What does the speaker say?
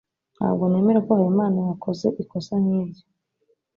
ntabwo nemera ko habimana yakoze ikosa nkiryo